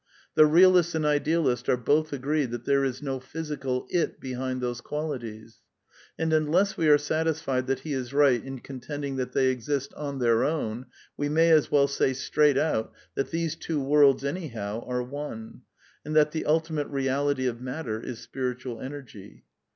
The realist and idealist are both agreed that there is no physical It behind those qualities. And unless we are satisfied that he is right in contending that they exist, *' on their own,'' we may as well say straight out that these two worlds, anyhow, are one ; and that the ultimate reality of *^ matter " is spiritual energy.